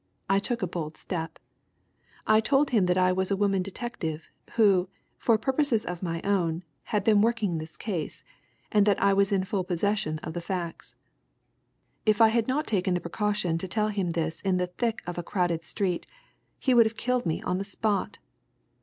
I took a bold step. I told him that I was a woman detective, who, for purposes of my own, had been working this case, and that I was in full possession of the facts. If I had not taken the precaution to tell him this in the thick of a crowded street, he would have killed me on the spot!